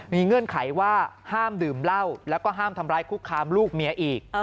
มีเงื่อนไขว่าห้ามดื่มเหล้าแล้วก็ห้ามทำร้ายคุกคามลูกเมียอีก